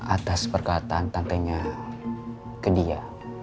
atas perkataan tantenya ke dia